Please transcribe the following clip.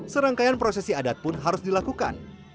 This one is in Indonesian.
serangkaian prosesi adat pun harus dilakukan